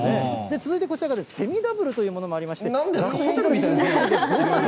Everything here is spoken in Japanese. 続いてこちらがセミダブルというものもありまして。